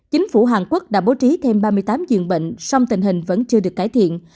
chính phủ hàn quốc đã bố trí thêm ba mươi tám giường bệnh song tình hình vẫn chưa được cải thiện